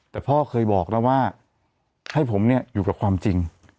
แต่พ่อเคยบอกแล้วว่าให้ผมเนี่ยอยู่กับความจริง